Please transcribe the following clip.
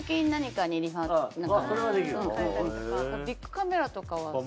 ビックカメラとかは。